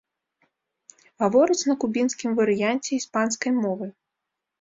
Гавораць на кубінскім варыянце іспанскай мовы.